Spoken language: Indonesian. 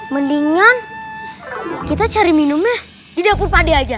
mendingan kita cari minumnya di dapur pak deh aja